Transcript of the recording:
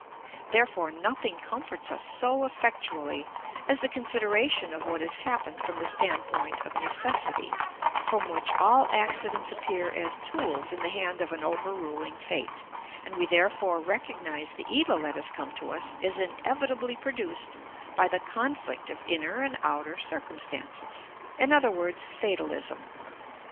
Therefore nothing comforts us so effectually as the consideration of what has happened from the standpoint of necessity, from which all accidents appear as tools in the hand of an overruling fate, and we therefore recognise the evil that has come to us as inevitably produced by the conflict of inner and outer circumstances; in other words, fatalism.